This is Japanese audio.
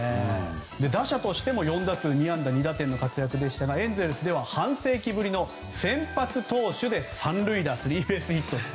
打者としても４打数２安打２打点の活躍でしたがエンゼルスでは半世紀ぶりの先発投手で３塁打、スリーベースヒット。